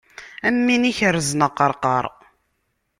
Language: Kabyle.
Am win ikerrzen aqerqaṛ.